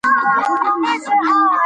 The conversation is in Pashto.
دا دوی ته انرژي ورکوي.